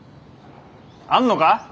あんのか？